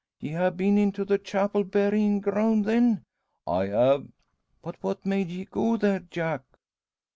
"Ye ha' been into the chapel buryin' groun' then?" "I have." "But what made ye go there, Jack?"